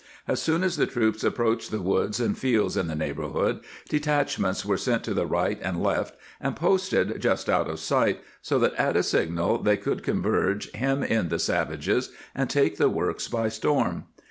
As soon as the troops approached the woods and fields in the neighborhood, detachments were sent to the right and left and posted just out of sight, so that at a signal they could converge, hem in the savages, and take the works by storm.